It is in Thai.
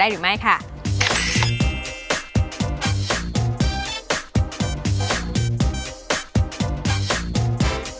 เอาเครื่องสำอางออกทั้งหมดได้หรือไม่ค่ะ